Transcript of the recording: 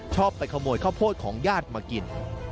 ไปขโมยข้าวโพดของญาติมากิน